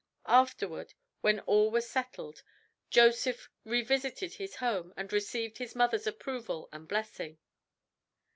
Afterward, when all was settled, Joseph revisited his home, and received his mother's approval and blessing.